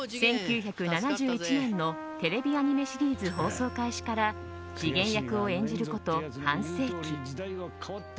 １９７１年のテレビアニメシリーズ放送開始から次元役を演じること半世紀。